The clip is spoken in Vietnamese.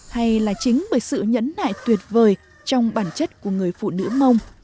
hay là chính bởi sự nhẫn nại tuyệt vời trong bản chất của người phụ nữ mông